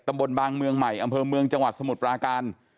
บางเมืองใหม่อำเภอเมืองจังหวัดสมุทรปราการ